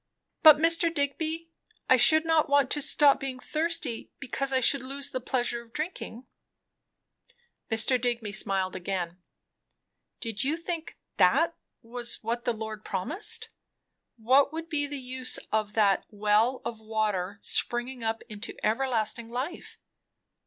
"But, Mr. Digby, I should not want to stop being thirsty, because I should lose the pleasure of drinking." Mr. Digby smiled again. "Did you think that was what the Lord promised? What would be the use of that 'well of water, springing up into everlasting life'?